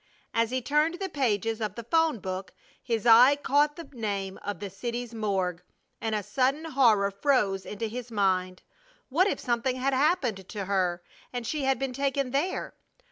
As he turned the pages of the 'phone book his eye caught the name of the city's morgue, and a sudden horror froze into his mind. What if something had happened to her and she had been taken there?